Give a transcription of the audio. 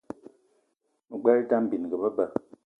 Me gbelé idam bininga be ba.